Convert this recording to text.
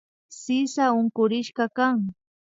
Sisa unkurishkakan